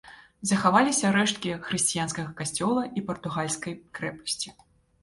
Захаваліся рэшткі хрысціянскага касцёла і партугальскай крэпасці.